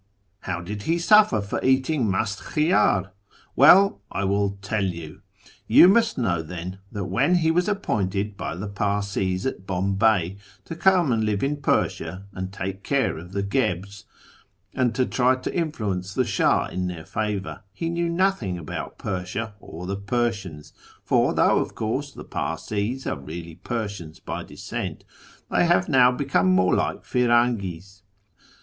"How did he suffer for eating mdst fcliiydr ^ Well, I will tell you. You must know, then, that when he was appointed by the Parsees at Bombay to come and live in Persia and take care of the Guebres, and try to influence the Shah in their favour, he knew nothing about Persia or the Persians ; for, though of course the Parsees are really Persians by descent, they ha^^e now become more like Firangis.